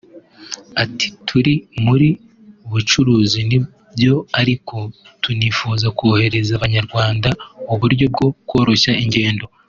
ati”turi muri bucuruzi ni byo ariko tunifuza korohereza abanyarwanda uburyo bwo koroshya ingendo